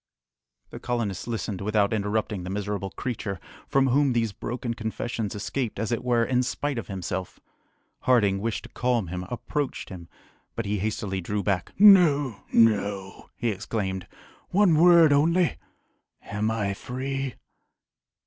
The colonists listened without interrupting the miserable creature, from whom these broken confessions escaped, as it were, in spite of himself. Harding wishing to calm him, approached him, but he hastily drew back. "No! no!" he exclaimed; "one word only am I free?"